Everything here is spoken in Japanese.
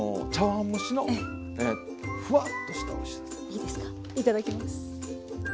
いただきます。